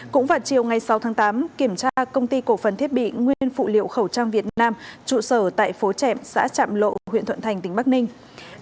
cũng vào chiều ngày sáu tháng tám kiểm tra công ty cổ phần thiết bị nguyên phụ liệu khẩu trang việt nam trụ sở tại phố trệm xã trạm lộ huyện thuận thành tỉnh bắc ninh